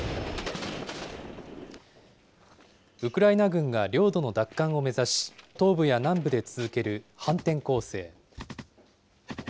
ウクライナ軍が領土の奪還を目指し、東部や南部で続ける反転攻勢。